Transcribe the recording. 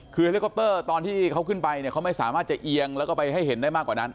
คือเฮลิคอปเตอร์ตอนที่เขาขึ้นไปเนี่ยเขาไม่สามารถจะเอียงแล้วก็ไปให้เห็นได้มากกว่านั้น